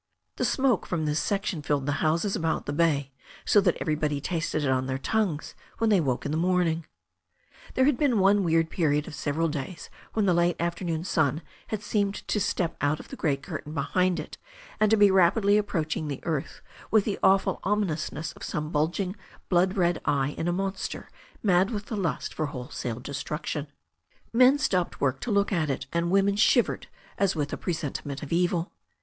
The smoke from this section filled the houses about the bay so that everybody tasted it on their tongues when they woke in the morning. There had been one weird period of several days when the late afternoon sun had seemed to step out of the great curtain behind it and to be rapidly approaching the earth with the awful ominousness of some bulging blood red eye in a monster mad with the lust for wholesale destructioa Men stopped work to look at it, and women shivered as with a presentiment of evil.